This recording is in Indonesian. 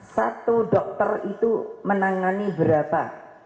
satu dokter itu menangani berapa